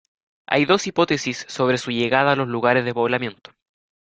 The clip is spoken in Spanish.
Hay dos hipótesis sobre su llegada a los lugares de poblamiento.